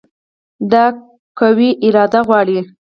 دا قوي اراده غواړي.